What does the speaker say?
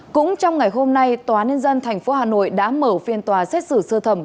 cũng trong ngày hôm nay tòa nhân dân tp hà nội đã mở phiên tòa xét xử sơ thẩm